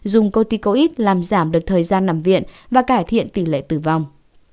dùng corticoid làm giảm được thời gian nằm viện và cải thiện tỷ lệ tử vong